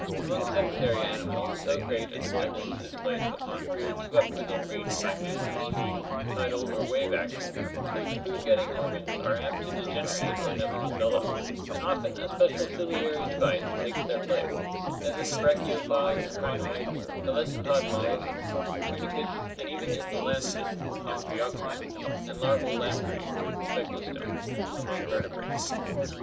Among sed entary animals so great a dependence is placed upon food swept within reach by means of stream, tidal, or wave action, that the food getting organs arc apt to degenerate or never develop, and often a special ciliary device takes their place, as in the brach iopods, crinoids, pel ecypod molluscs, tunicates, and even in the lancelet (Am phioxus) and larval lamprey (cyclostome) among vertebrates.